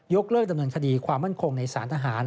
เลิกดำเนินคดีความมั่นคงในสารทหาร